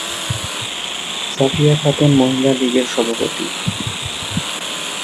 সাফিয়া খাতুন মহিলা লীগের সভাপতি।